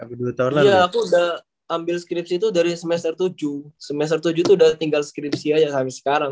iya aku udah ambil skripsi itu dari semester tujuh semester tujuh itu udah tinggal skripsi aja sampai sekarang